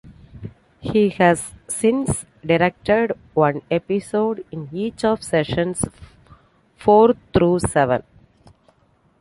He has since directed one episode in each of seasons four through seven.